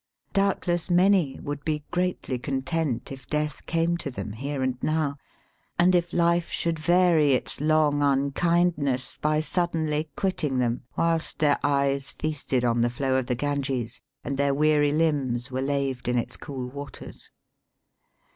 Doubtless many would be greatly con tent if death came to them here and now, and if life should vary its long unkindness by suddenly quitting them whilst their eyes feasted on the flow of the Ganges and their weary limbs were laved in its cool waters.